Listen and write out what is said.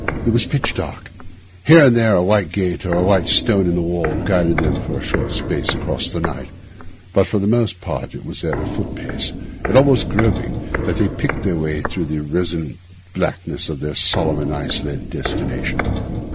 It was pitch dark; here and there a white gate or a white stone in the wall guided them for a short space across the night; but for the most part it was at a foot pace, and almost groping, that they picked their way through that resonant blackness to their solemn and isolated destination.